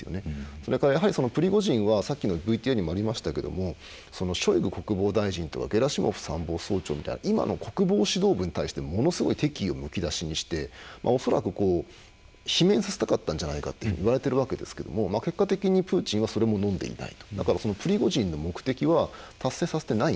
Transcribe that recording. それから、プリゴジンはさっきのＶＴＲにもありましたがショイグ国防大臣とゲラシモフ参謀総長みたいな今の国防指導部に対してものすごく敵意をむき出しにして、恐らく罷免させたかったんじゃないかといわれているわけですけども結果的にプーチンはそれものんでいない。